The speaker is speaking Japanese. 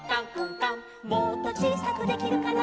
「もっとちいさくできるかな」